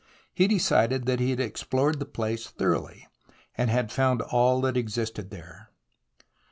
He decided that he had explored the place thoroughly, and had found all that existed there.